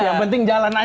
yang penting jalan aja